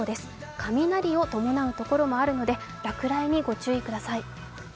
雷を伴う所もあるので、落雷にご注意ください。